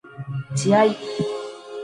自愛